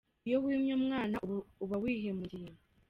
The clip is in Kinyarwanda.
Iyo wimye umwana uba wihemukiye